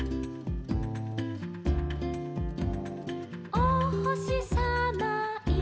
「おほしさまいるよ」